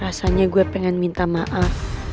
rasanya gue pengen minta maaf